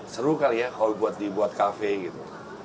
seru kali ya kalau dibuat kafe gitu